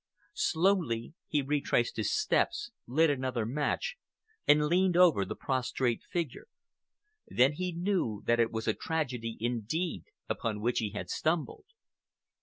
Slowly he retraced his steps, lit another match, and leaned over the prostrate figure. Then he knew that it was a tragedy indeed upon which he had stumbled.